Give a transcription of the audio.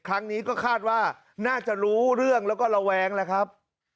ครั้งนี้ก็คาดว่าน่าจะรู้เรื่องแล้วก็ระแวงแล้วครับ